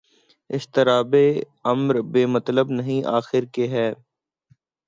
اضطرابِ عمر بے مطلب نہیں آخر کہ ہے